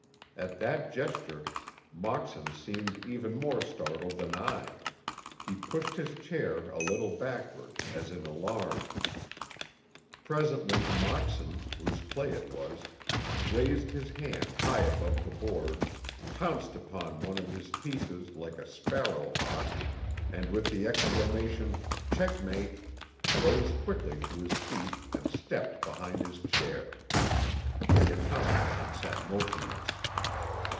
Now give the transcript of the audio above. At that gesture Moxon seemed even more startled than I: he pushed his chair a little backward, as in alarm. Presently Moxon, whose play it was, raised his hand high above the board, pounced upon one of his pieces like a sparrow hawk and with the exclamation "checkmate!" rose quickly to his feet and stepped behind his chair. The automaton sat motionless.